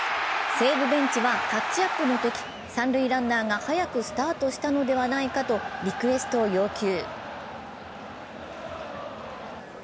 西武ベンチはタッチアップのとき三塁ランナーが早くスタートしたのではないかとリクエストを要求。